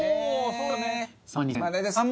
そうですよね。